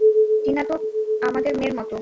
টিনা তো আমাদের মেয়ের মতো।